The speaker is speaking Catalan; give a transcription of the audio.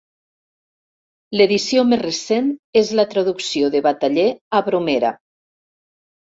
L'edició més recent és la traducció de Bataller a Bromera.